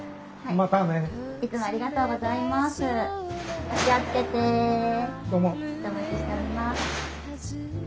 またお待ちしております。